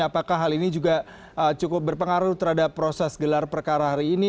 apakah hal ini juga cukup berpengaruh terhadap proses gelar perkara hari ini